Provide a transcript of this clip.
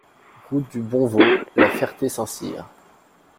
Route du Bonveau, La Ferté-Saint-Cyr